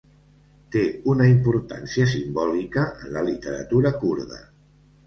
Té una importància simbòlica en la literatura kurda.